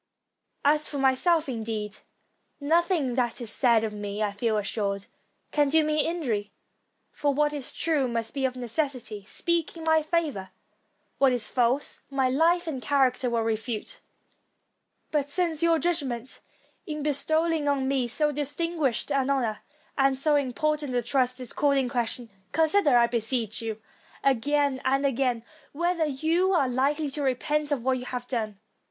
As for my self, indeed, nothing that is said of me, I feel assured, can do me injury; for what is true must of necessity speak in my favor ; what is false, my life and character will refute. But since your judgment, in bestowing on me so distinguished an honor and so important a trust, is called in question, consider, I beseech you, again and again, whether you are likely to repent of what you have done.